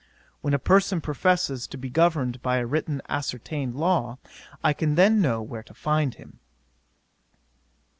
When a person professes to be governed by a written ascertained law, I can then know where to find him."